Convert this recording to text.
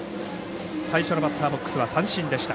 最初のバッターボックスは三振でした。